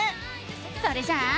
それじゃあ。